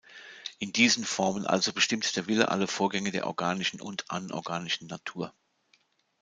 In diesen Formen also bestimmt der Wille alle Vorgänge der organischen und anorganischen Natur.